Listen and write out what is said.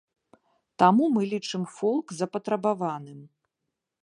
Таму мы лічым фолк запатрабаваным.